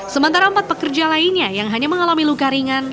sementara empat pekerja lainnya yang hanya mengalami luka ringan